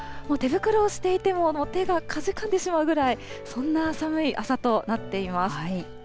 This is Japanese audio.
もう手袋をしていても手がかじかんでしまうぐらい、そんな寒い朝となっています。